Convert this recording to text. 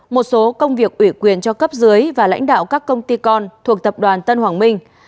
một số công việc ủy quyền cho cấp dưới và lãnh đạo các công ty con thuộc tập đoàn tân hoàng minh